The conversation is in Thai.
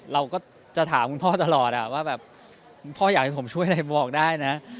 เราก็จะถามคุณพ่อตลอดว่าแบบพ่ออยากให้ผมช่วยอะไรบอกได้นะ